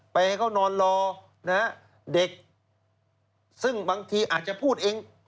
ให้เขานอนรอนะฮะเด็กซึ่งบางทีอาจจะพูดเอง